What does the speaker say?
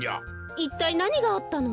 いったいなにがあったの？